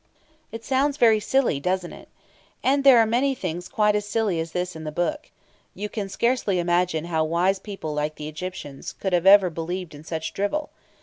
It sounds very silly, doesn't it? And there are many things quite as silly as this in the book. You can scarcely imagine how wise people like the Egyptians could ever have believed in such drivel.